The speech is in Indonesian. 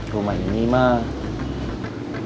rumah ini emak